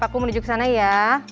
aku menuju kesana ya